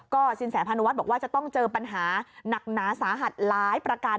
ก็สินแสพานุวัฒน์บอกว่าจะต้องเจอปัญหาหนักหนาสาหัสหลายประการ